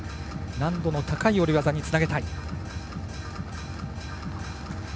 難度の高い下り技につなげたい。